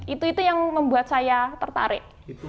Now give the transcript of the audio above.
itu itu yang membuat saya tertarik